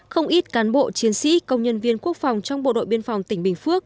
không ít cán bộ chiến sĩ công nhân viên quốc phòng trong bộ đội biên phòng tỉnh bình phước